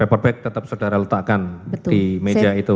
paper bag tetap saudara letakkan di meja itu